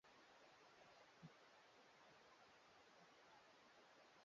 Watu wengi hawajakuja leo